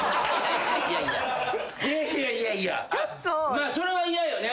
まあそれは嫌よね。